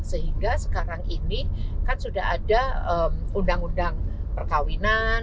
sehingga sekarang ini kan sudah ada undang undang perkawinan